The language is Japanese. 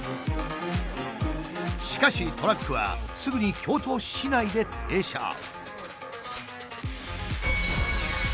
しかしトラックはすぐに京都市内で停車。